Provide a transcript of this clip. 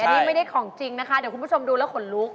แต่นี่ไม่ได้ของจริงนะคะเดี๋ยวคุณผู้ชมดูแล้วขนลุก